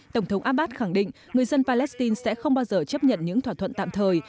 tổng thống abbas khẳng định người dân palestine sẽ không bao giờ chấp nhận những thỏa thuận tạm thời